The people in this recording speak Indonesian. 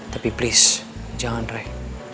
tapi please jangan ray